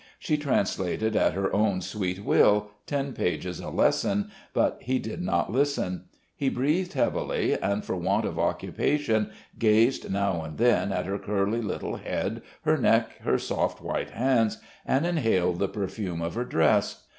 She translated at her own sweet will, ten pages a lesson, but he did not listen. He breathed heavily and for want of occupation gazed now and then at her curly little head, her neck, her soft white hands, and inhaled the perfume of her dress.